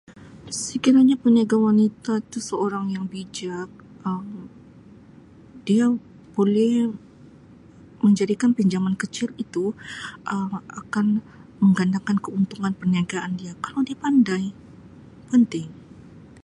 Sekiranya peniaga wanita tu seorang yang bijak Um dia boleh menjadikan pinjaman kecil itu Um akan menggandakan keuntungan perniagaan dia kalau dia pandai, penting.